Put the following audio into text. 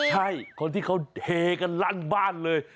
ใช่คนที่เขาเฮกันลั่นบ้านเลย